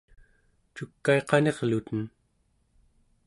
cukaiqanirluten!